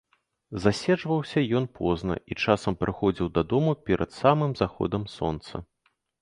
Заседжваўся ён позна і часам прыходзіў дадому перад самым заходам сонца.